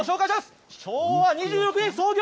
昭和２６年創業